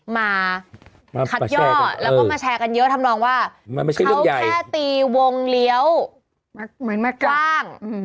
มาขัดย่อแล้วก็มาแชร์กันเยอะทำลองว่าเขาแค่ตีวงเหลียวกว้าง